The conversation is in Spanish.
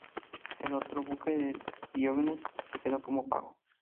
El otro buque, el Diógenes, se quedó como pago.